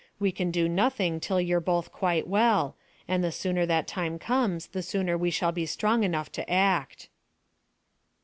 We can do nothing till you're both quite well, and the sooner that time comes the sooner we shall be strong enough to act."